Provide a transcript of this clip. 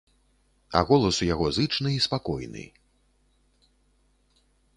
А голас у яго зычны і спакойны.